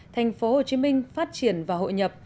thành phố hồ chí minh phát triển và hội nhập